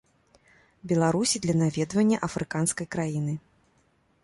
Беларусі для наведвання афрыканскай краіны.